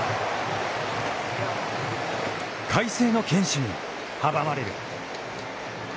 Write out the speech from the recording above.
海星の堅守に阻まれる。